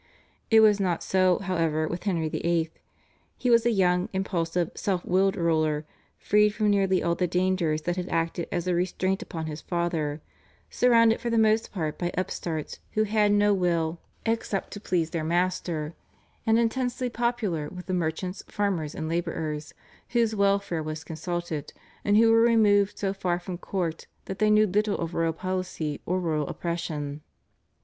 It was not so, however, with Henry VIII. He was a young, impulsive, self willed ruler, freed from nearly all the dangers that had acted as a restraint upon his father, surrounded for the most part by upstarts who had no will except to please their master, and intensely popular with the merchants, farmers, and labourers, whose welfare was consulted, and who were removed so far from court that they knew little of royal policy or royal oppression.